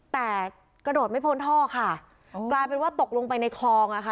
แต่กระโดดไม่พ้นท่อค่ะกลายเป็นว่าตกลงไปในคลองอ่ะค่ะ